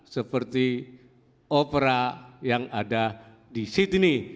seperti opera yang ada di sydney